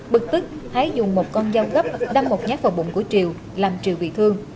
bực tức hái dùng một con dao gấp đâm một nhát vào bụng của triều làm triều bị thương